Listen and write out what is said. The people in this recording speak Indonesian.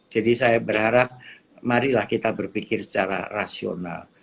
jadi saya berharap marilah kita berpikir secara rasional